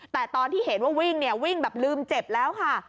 แต่ตอนที่เห็นว่าวิ่งเนี่ยวิ่งแบบลืมเจ็บแล้วค่ะ